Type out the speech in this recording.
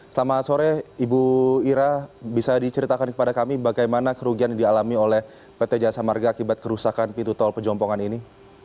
selamat sore ibu ira bisa diceritakan kepada kami bagaimana kerugian yang dialami oleh pt jasa marga akibat kerusakan pintu tol pejompongan ini